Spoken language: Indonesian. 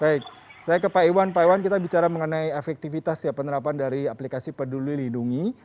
baik saya ke pak iwan pak iwan kita bicara mengenai efektivitas ya penerapan dari aplikasi peduli lindungi